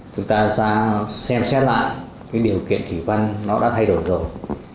chúng ta sẽ xem xét lại cái điều kiện thủy văn nó đã thay đổi rồi